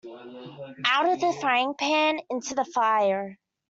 Out of the frying-pan into the fire.